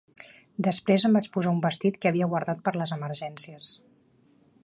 Després em vaig posar un vestit que havia guardat per a les emergències.